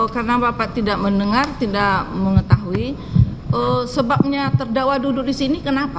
karena bapak tidak mendengar tidak mengetahui sebabnya terdakwa duduk di sini kenapa